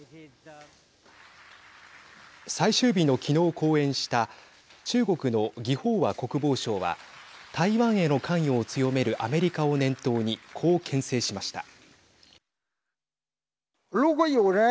最終日の、きのう講演した中国の魏鳳和国防相は台湾への関与を強めるアメリカを念頭にこう、けん制しました。